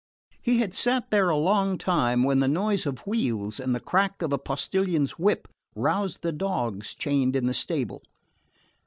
He had sat there a long time when the noise of wheels and the crack of a postillion's whip roused the dogs chained in the stable.